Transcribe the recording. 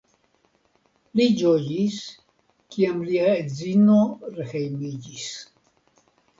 Li ĝojis, kiam lia edzino rehejmiĝis.